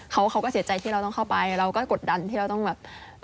เขาก็เสียใจที่เราต้องเข้าไปเราก็กดดันที่เราต้องแบบ